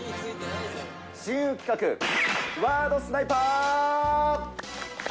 親友企画、ワードスナイパー。